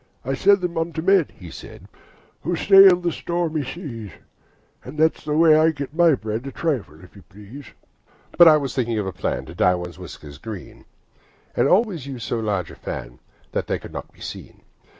I sell them unto men,' he said, 'Who sail on stormy seas; And that's the way I get my bread A trifle, if you please.' But I was thinking of a plan To dye one's whiskers green, And always use so large a fan That they could not be seen.